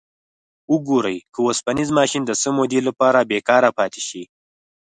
وګورئ که اوسپنیز ماشین د څه مودې لپاره بیکاره پاتې شي.